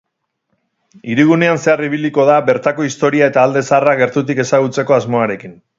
Hirigunean zehar ibiliko da, bertako historia eta alde zaharra gertutik ezagutzeko asmoarekin.